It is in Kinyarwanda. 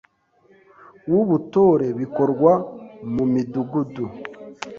w’ubutore bikorwa mu Midugudu;